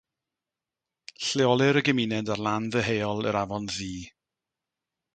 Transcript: Lleolir y gymuned ar lan ddeheuol yr Afon Ddu.